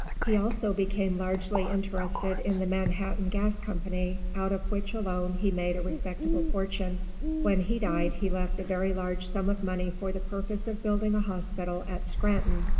He also became largely interested in the Manhattan Gas Co., out of which alone he made a respectable fortune. When he died he left a very large sum of money for the purpose of building a hospital at Scranton.